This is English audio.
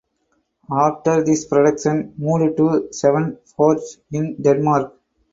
After this production moved to Svendborg in Denmark.